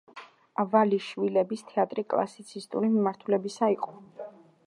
ავალიშვილების თეატრი კლასიცისტური მიმართულებისა იყო.